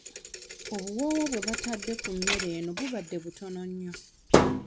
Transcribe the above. Obuwuuwo bwe baatadde ku mmere eno bubadde butono nnyo.